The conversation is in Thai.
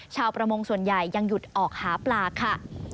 ชาวประมงส่วนใหญ่ยังหยุดออกหาปลาค่ะ